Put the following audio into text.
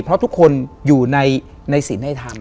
เพราะทุกคนอยู่ในศิลป์ให้ทำ